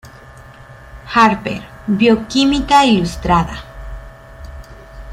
Harper, Bioquímica Ilustrada.